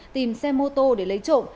tìm xe mô tô để lấy trộm